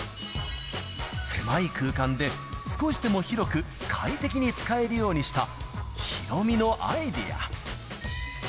狭い空間で、少しでも広く、快適に使えるようにした、ヒロミのアイデア。